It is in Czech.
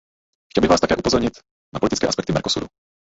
Chtěl bych vás také upozornit na politické aspekty Mercosuru.